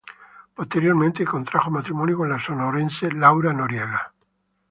Posteriormente contrajo matrimonio con la sonorense Laura Noriega.